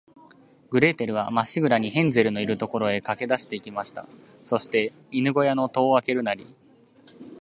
グレーテルは、まっしぐらに、ヘンゼルのいる所へかけだして行きました。そして、犬ごやの戸をあけるなり、